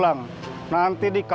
kayak gini aja sih kita